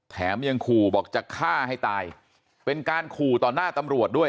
แถมยังขู่บอกจะฆ่าให้ตายเป็นการขู่ต่อหน้าตำรวจด้วย